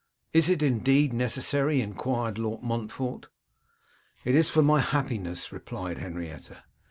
'Is it indeed necessary?' enquired Lord Montfort. 'It is for my happiness,' replied Henrietta.